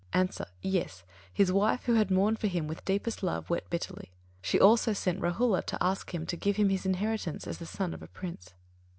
_ A. Yes. His wife, who had mourned for him with deepest love, wept bitterly. She also sent Rāhula to ask him to give him his inheritance, as the son of a prince.